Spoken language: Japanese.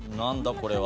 これは。